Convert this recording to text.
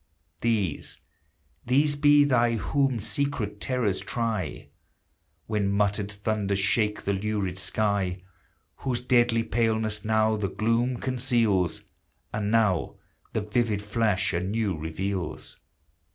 These, these be they whom secret terrors try, When muttered thunders shake the lurid sky; Whose deadly paleness now the gloom conceals And now the vivid flash anew reveals.